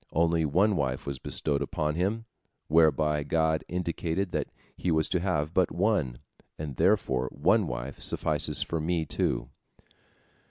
Only one wife was bestowed upon him, whereby God indicated that he was to have but one, and therefore one wife suffices for me, too."